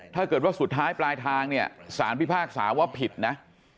ถ้าเกิดว่าสุดท้ายปลายทางเนี่ยสารพิพากษาว่าผิดนะ